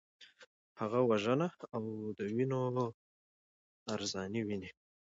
هغه وژنه او د وینو ارزاني ویني.